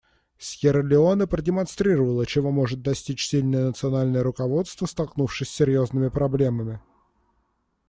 Сьерра-Леоне продемонстрировала, чего может достичь сильное национальное руководство, столкнувшись с серьезными проблемами.